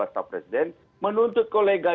untuk kewangan untuk men hasta uang vain